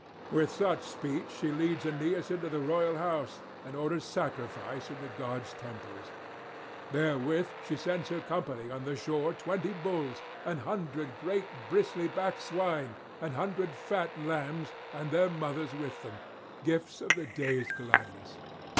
With such speech she leads Aeneas into the royal house, and orders sacrifice in the gods' temples. Therewith she sends his company on the shore twenty bulls, an hundred great bristly backed swine, an hundred fat lambs and their mothers with them, gifts of the day's gladness.